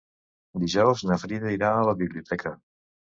Dijous na Frida irà a la biblioteca.